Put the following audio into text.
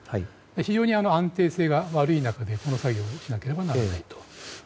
非常に安定性が悪い中でこの作業をしなければならないと。